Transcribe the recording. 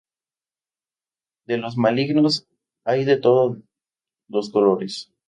De los malignos hay de todo los colores.